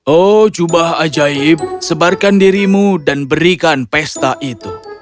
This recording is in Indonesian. oh jubah ajaib sebarkan dirimu dan berikan pesta itu